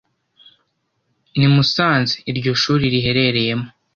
ni Musanze iryo shuri riherereyemo,